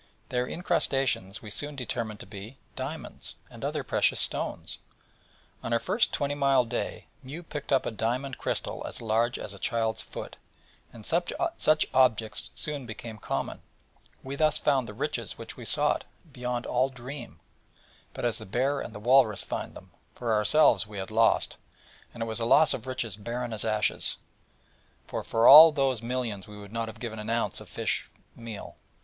Their incrustations we soon determined to be diamonds, and other precious stones. On our first twenty mile day Mew picked up a diamond crystal as large as a child's foot, and such objects soon became common. We thus found the riches which we sought, beyond all dream; but as the bear and the walrus find them: for ourselves we had lost; and it was a loss of riches barren as ashes, for all those millions we would not have given an ounce of fish meal.